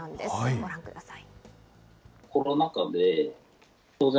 ご覧ください。